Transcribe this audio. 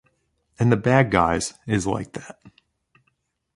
And the bad guys is like that